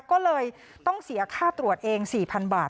ก็เลยต้องเสียค่าตรวจเอง๔๐๐๐บาท